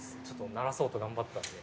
鳴らそうと頑張ったんで。